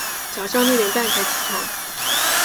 早上六点半才起床